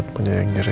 di amerika tenggara